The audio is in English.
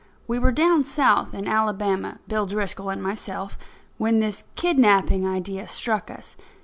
We were down South, in Alabama—Bill Driscoll and myself—when this kidnapping idea struck us.